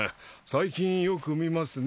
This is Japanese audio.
最近よく見ますね。